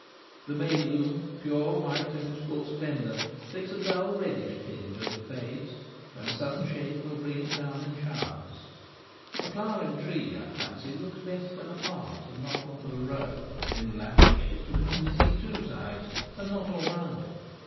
The may bloom, pure white in its full splendour, takes a dull reddish tinge as it fades, when a sudden shake will bring it down in showers. A flowering tree, I fancy, looks best when apart and not one of a row. In the latter case you can only see two sides and not all round it.